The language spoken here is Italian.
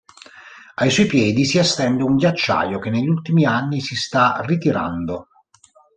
Ai suoi piedi si estende un ghiacciaio che negli ultimi anni si sta ritirando.